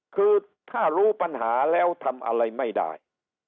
คือถ้ารู้ปัญหาแล้วทำอะไรไม่ได้